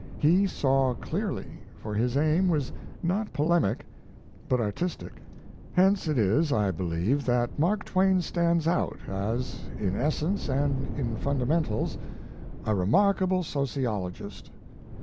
He saw clearly; for his aim was not polemic, but artistic. Hence it is, I believe, that Mark Twain stands out as, in essence and in fundamentals, a remarkable sociologist.